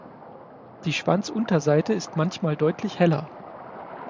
Die Schwanzunterseite ist manchmal deutlich heller.